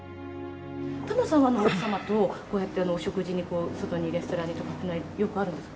田村さんは奥様と、こうやってお食事に、外にレストランとかってあるんですか。